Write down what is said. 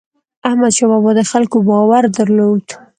احمدشاه بابا د خلکو باور درلود.